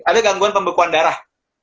ada gangguan pembekuan darah